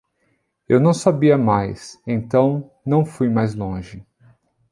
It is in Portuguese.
Eu não sabia mais, então não fui mais longe.